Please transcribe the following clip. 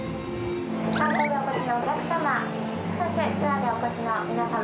観光でお越しのお客様そしてツアーでお越しの皆様